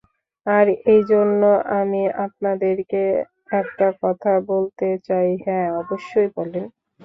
আর এই জন্য আমি আপনাদেরকে একটা কথা বলতে চাই হ্যাঁ অবশ্যই, বলেন।